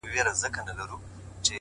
هوډ د شکونو پر وړاندې درېدنه ده’